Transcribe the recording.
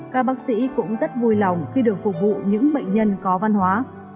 các bác sĩ cũng rất vui lòng khi được phục vụ những bệnh nhân có văn hóa